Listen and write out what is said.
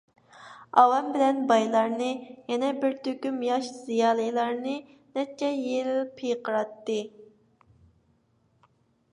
ئاۋام بىلەن بايلارنى، يەنە بىر تۈركۈم ياش زىيالىلارنى نەچچە يىل پىقىراتتى.